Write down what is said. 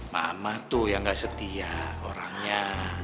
mama tuh yang gak setia orangnya